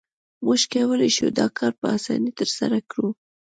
موږ کولای شو دا کار په اسانۍ ترسره کړو